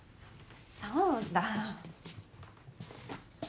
そうだ。